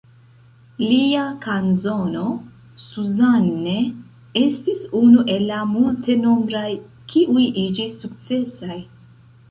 Lia kanzono "Suzanne" estis unu el la multenombraj, kiuj iĝis sukcesoj.